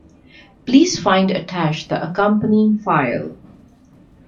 Please find attached the accompanying file.